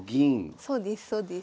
そうですそうです。